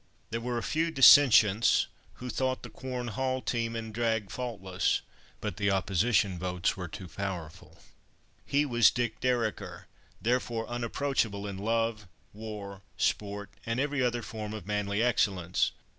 There were a few dissentients, who thought the Quorn Hall team and drag faultless. But the opposition votes were too powerful. He was "Dick Dereker," therefore unapproachable in love, war, sport, and every other form of manly excellence.